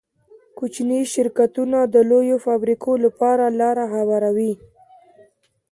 کوچني شرکتونه د لویو فابریکو لپاره لاره هواروي.